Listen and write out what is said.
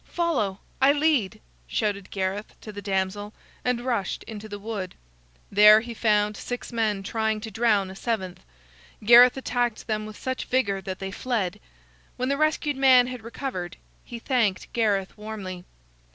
"Follow! I lead!" shouted Gareth to the damsel, and rushed into the wood. There he found six men trying to drown a seventh. Gareth attacked them with such vigor that they fled. When the rescued man had recovered, he thanked Gareth warmly.